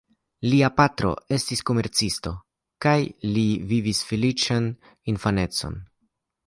Lia patro estis komercisto kaj li vivis feliĉan infanecon.